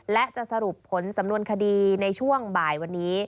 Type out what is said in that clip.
และจะสรุปผลสำนวนคดีในช่วงบ่ายวันนี้